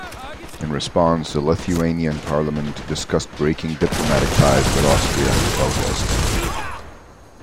In response, the Lithuanian parliament discussed breaking diplomatic ties with Austria in protest.